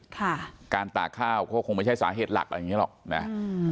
ค่ะการตากข้าวก็คงไม่ใช่สาเหตุหลักอะไรอย่างเงี้หรอกนะอืม